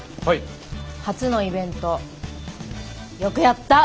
初のイベントよくやった。